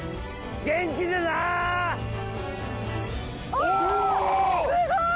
おおすごい！